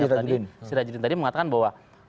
tadi sirajudin tadi mengatakan bahwa